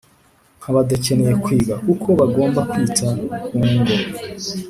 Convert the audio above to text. nk’abadakeneye kwiga, kuko bagomba kwita ku ngo